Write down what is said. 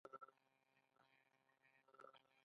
مصنوعي ځیرکتیا د محرمیت مفهوم تر بحث لاندې راولي.